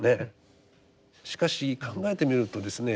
しかし考えてみるとですね